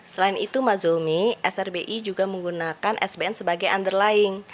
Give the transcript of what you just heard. selain itu mazulmi srbi juga menggunakan sbn sebagai underlying